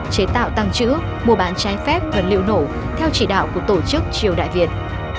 chế tạo tăng trữ mua bán trái phép vật liệu nổ theo chỉ đạo của tổ chức triều đại việt